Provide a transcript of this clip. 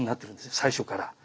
最初から。